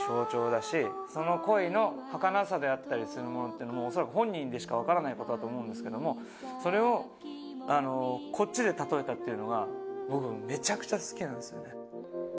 その恋のはかなさであったりするものもおそらく本人でしか分からないことだと思うんですけどもそれをこっちで例えたというのが僕めちゃくちゃ好きなんです。